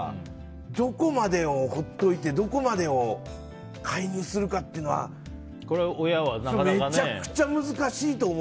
どこまでを放っておいてどこまでを介入するかっていうのはめちゃくちゃ難しいと思う。